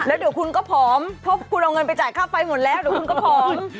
แล้วเดี๋ยวคุณก็ผอมเพราะคุณเอาเงินไปจ่ายค่าไฟหมดแล้วเดี๋ยวคุณก็ผอม